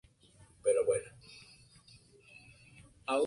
Posteriormente montó un restaurante con la que era su pareja Pilar Arias Crespo.